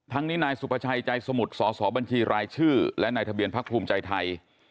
นี้นายสุภาชัยใจสมุทรสอสอบัญชีรายชื่อและนายทะเบียนพักภูมิใจไทย